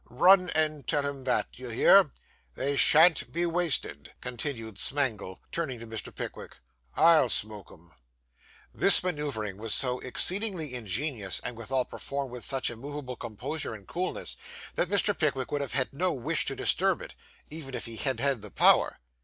Run and tell him that; d'ye hear? They shan't be wasted,' continued Smangle, turning to Mr. Pickwick. 'I'll smoke 'em.' This manoeuvring was so exceedingly ingenious and, withal, performed with such immovable composure and coolness, that Mr. Pickwick would have had no wish to disturb it, even if he had had the power.